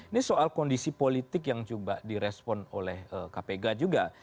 ini soal kondisi politik yang juga direspon oleh kpk juga